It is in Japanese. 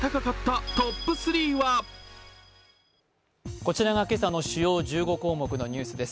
こちらが今朝の主要１５項目のニュースです。